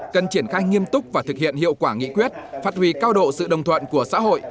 cần triển khai nghiêm túc và thực hiện hiệu quả nghị quyết phát huy cao độ sự đồng thuận của xã hội